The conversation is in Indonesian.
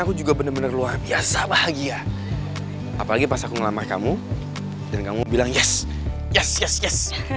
aku juga bener bener luar biasa bahagia apalagi pas aku ngelamar kamu dan kamu bilang yes yes yes yes